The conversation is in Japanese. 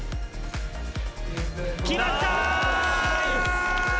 決まった！